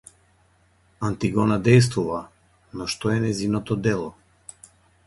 Антигона дејствува, но што е нејзиното дело?